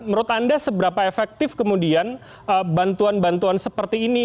menurut anda seberapa efektif kemudian bantuan bantuan seperti ini